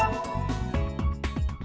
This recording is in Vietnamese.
chào tất cả các quân